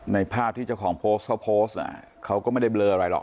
ภาพที่เจ้าของโพสต์เขาโพสต์เขาก็ไม่ได้เบลออะไรหรอก